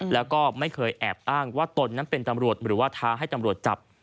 แล้วก็ไม่เคยแอบอ้างว่าตนนั้นเป็นตำรวจหรือว่าท้าให้ตำรวจจับ